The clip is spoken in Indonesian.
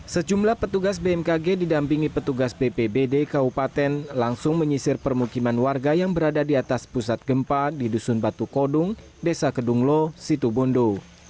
sejumlah petugas bmkg didampingi petugas bpbd kabupaten langsung menyisir permukiman warga yang berada di atas pusat gempa di dusun batu kodung desa kedunglo situbondo